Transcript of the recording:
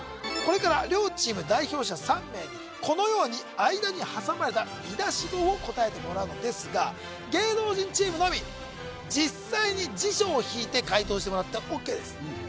これから両チーム代表者３名にこのように間に挟まれた見出し語を答えてもらうのですが芸能人チームのみ実際に辞書を引いて解答してもらってＯＫです